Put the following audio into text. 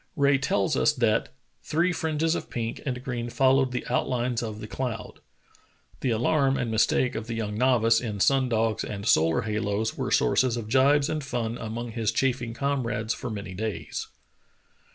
Rae tells us that "three fringes of pink and green followed the outlines of the cloud. " The alarm and mistake of the young novice in sun dogs and solar halos were sources of gibes and fun among his chaffing comrades for many days.